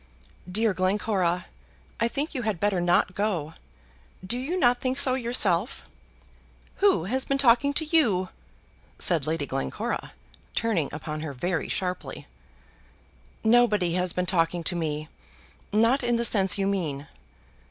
"Dear Glencora, I think you had better not go. Do you not think so yourself?" "Who has been talking to you?" said Lady Glencora, turning upon her very sharply. "Nobody has been talking to me; not in the sense you mean."